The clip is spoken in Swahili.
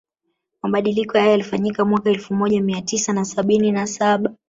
Mabadiliko hayo yalifanyika mwaka elfu moja mia tisa na sabini na saba